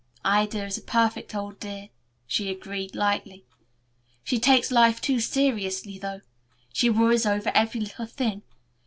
"Ida is a perfect old dear," she agreed lightly. "She takes life too seriously, though. She worries over every little thing.